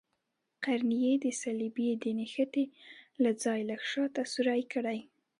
قرنیه د صلبیې د نښتې له ځای لږ شاته سورۍ کړئ.